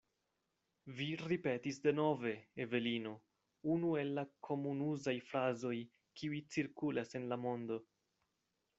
Vi ripetis denove, Evelino, unu el la komunuzaj frazoj, kiuj cirkulas en la mondo.